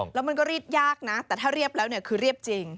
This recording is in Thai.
แล้วมันก็รีดยากนะแต่ถ้าเรียบแล้วเนี่ยคือเรียบจริง